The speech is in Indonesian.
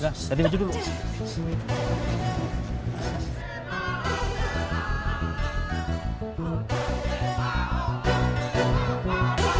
ganti baju dulu